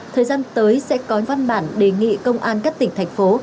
thời gian tới sẽ có văn bản đề nghị công an các tỉnh thành phố